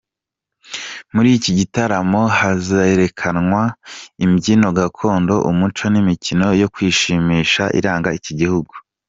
Muri iki gitaramo hazerakanwa ibyino gakondo, umuco n’ imikino yo kwishimisha iranga iki gihugu.